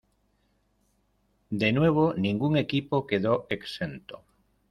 De nuevo ningún equipo quedó exento.